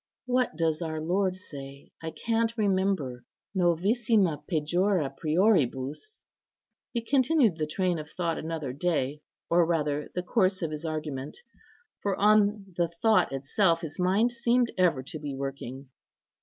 What does our Lord say? I can't remember: 'Novissima pejora prioribus.' " He continued the train of thought another day, or rather the course of his argument; for on the thought itself his mind seemed ever to be working.